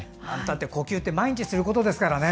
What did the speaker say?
呼吸って毎日することですからね。